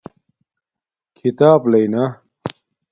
کھیتاپ لݵنا